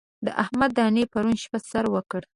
د احمد دانې پرون شپه سر وکړ.